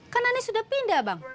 kan anies sudah pindah bang